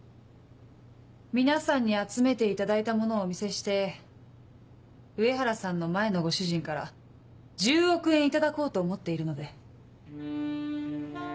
皆さんに集めていただいたものをお見せして上原さんの前のご主人から１０億円頂こうと思っているので。